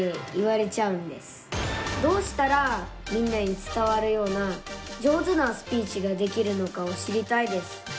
どうしたらみんなに伝わるような上手なスピーチができるのかを知りたいです。